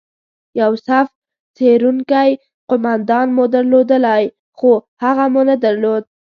یو صف څیرونکی قومندان مو درلودلای، خو هغه مو نه درلود.